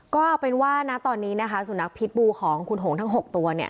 ก็เอาเป็นว่าตอนนี้สุนัขพิษบูของคุณหงษ์ทั้ง๖ตัว